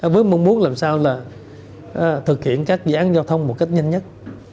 với mong muốn làm sao là thực hiện các dự án giao thông một cách nhanh nhất